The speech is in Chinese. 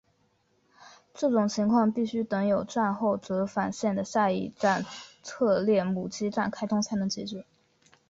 这种情况必须等有站后折返线的下一站特列姆基站开通才能解决。